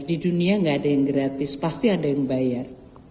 di dunia nggak ada yang gratis pasti ada yang bayar